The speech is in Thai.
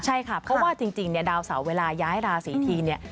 ใช่ค่ะเพราะว่าจริงดาวเสาร์เวลาย้ายราศีที